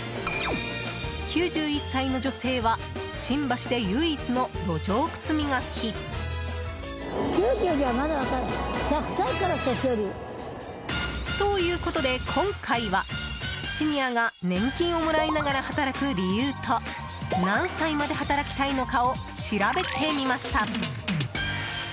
９１歳の女性は新橋で唯一の路上靴磨き。ということで今回はシニアが年金をもらいながら働く理由と何歳まで働きたいのかを調べてみました。